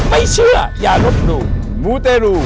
ไม่เชื่ออย่ารุ่นรู้